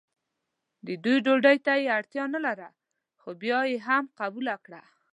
د دوی ډوډۍ ته یې اړتیا نه لرله خو بیا یې هم قبوله کړه.